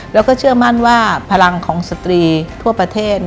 แล้วก็เชื่อมั่นว่าพลังของสตรีทั่วประเทศ